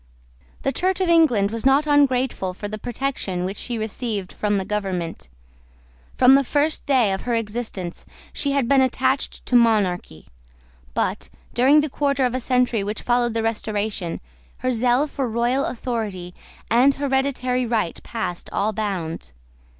The Church of England was not ungrateful for the protection which she received from the government. From the first day of her existence, she had been attached to monarchy. But, during the quarter of a century which followed the Restoration, her zeal for royal authority and hereditary right passed all bounds.